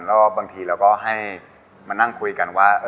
แล้วบางทีเราก็ให้มานั่งคุยกันว่า